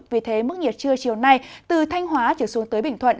vì thế mức nhiệt trưa chiều nay từ thanh hóa trở xuống tới bình thuận